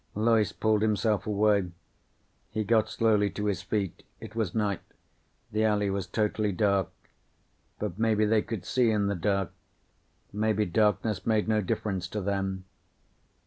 Loyce pulled himself away. He got slowly to his feet. It was night. The alley was totally dark. But maybe they could see in the dark. Maybe darkness made no difference to them.